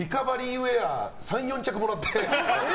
ウェア３４着もらって。